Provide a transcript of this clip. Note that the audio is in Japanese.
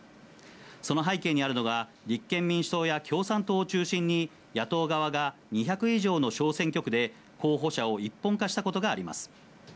その背景にあるのが、立憲民主党や共産党を中心に、野党側が２００以上の小選挙区で候補者を一本化したことがあります。